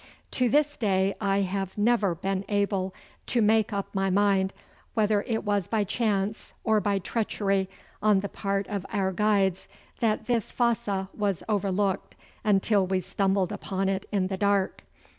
To this day I have never been able to make up my mind whether it was by chance or by treachery on the part of our guides that this fosse was overlooked until we stumbled upon it in the dark.